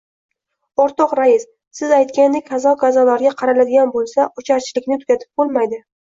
— O’rtoq rais, siz aytgandek, kazo-kazolarga qaraladigan bo‘lsa, ocharchilikni tugatib bo‘lmaydi.